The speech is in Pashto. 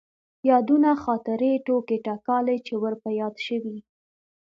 يادونه ،خاطرې، ټوکې تکالې چې ور په ياد شوي.